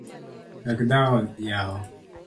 Wek dhawo yawa.